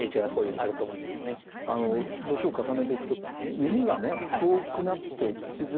あの年を重ねていくと耳がね遠くなって聞きづらい